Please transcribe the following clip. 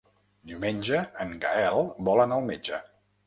Diumenge en Gaël vol anar al metge.